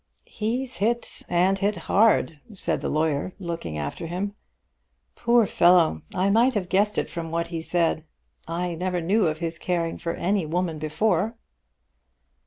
"He's hit, and hit hard," said the lawyer, looking after him. "Poor fellow! I might have guessed it from what he said. I never knew of his caring for any woman before."